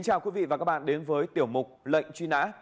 chào quý vị và các bạn đến với tiểu mục lệnh truy nã